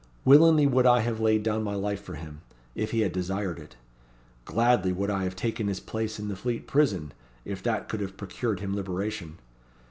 Willingly would I have laid down my life for him, if he had desired it. Gladly would I have taken his place in the Fleet prison, if that could have procured him liberation.